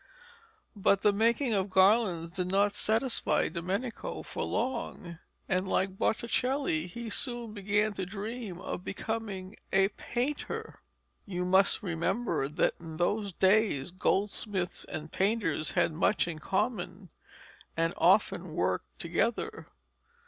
But the making of garlands did not satisfy Domenico for long, and like Botticelli he soon began to dream of becoming a painter. You must remember that in those days goldsmiths and painters had much in common, and often worked together.